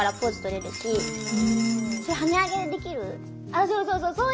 あっそうそうそう。